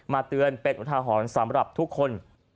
มาเตือนเป็นวันทหารสำหรับทุกคน